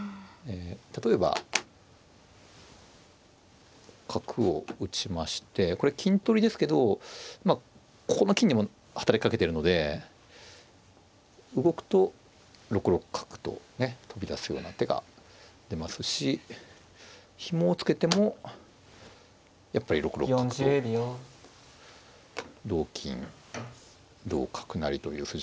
例えば角を打ちましてこれ金取りですけどここの金にも働きかけてるので動くと６六角と飛び出すような手が出ますしひもを付けてもやっぱり６六角と同金同角成という筋がありまして。